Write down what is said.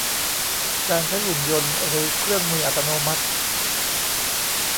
การใช้หุ่นยนต์หรือเครื่องมืออัตโนมัติ